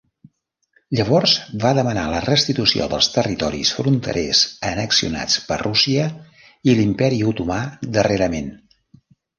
Llavors va demanar la restitució dels territoris fronterers annexionats per Rússia i l'imperi Otomà darrerament.